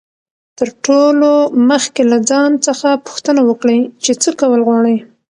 تر ټولو مخکي له ځان څخه پوښتنه وکړئ، چي څه کول غواړئ.